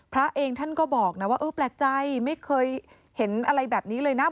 พระเองท่านก็บอกนะว่าเออแปลกใจไม่เคยเห็นอะไรแบบนี้เลยนะ